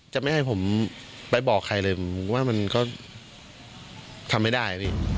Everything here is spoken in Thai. จะไม่ให้ผมไปบอกใครเลยผมว่ามันก็ทำไม่ได้พี่